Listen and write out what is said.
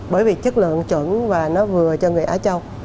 bởi vì chất lượng chuẩn và nó vừa cho người á châu